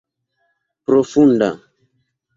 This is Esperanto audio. profunda